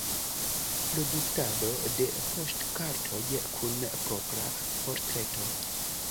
Produktado de poŝtkartoj kun propra portreto.